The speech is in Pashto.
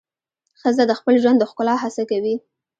ښځه د خپل ژوند د ښکلا هڅه کوي.